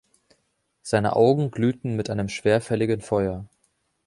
Seine Augen glühten mit einem schwerfälligen Feuer.